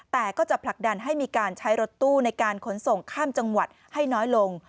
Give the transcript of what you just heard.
แต่ก็จะผลักดันให้มีการใช้รถตู้ในการขนส่งข้ามจังหวัดให้น้อยลง